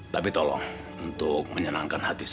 tapi tolong untuk menyenangkan hati saya